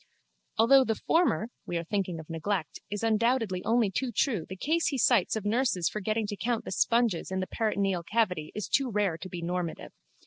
Although the former (we are thinking of neglect) is undoubtedly only too true the case he cites of nurses forgetting to count the sponges in the peritoneal cavity is too rare to be normative.